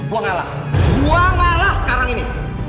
uang alah uang alah sekarang ini